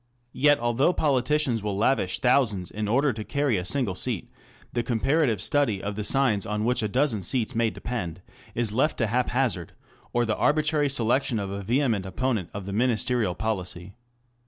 Yet although politicians will lavish thousands in order to carry a single seat, the comparative study of the signs on which a dozen seats may depend is left to haphazard, or the arbitrary selection of a vehement opponent of the Ministerial policy.